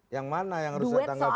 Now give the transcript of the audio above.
yang mana yang rusak tanggapi